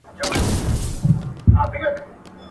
په ځنگله کې وزېږوه، په بازارکې لوى که.